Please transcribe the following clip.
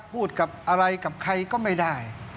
พูดกับอะไรกับใครก็ไม่ได้